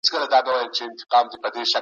د اوبولګولو عصري سیستمونه باید وکارول سي.